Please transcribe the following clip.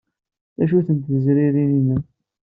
D acu-tent tezririn-nnem?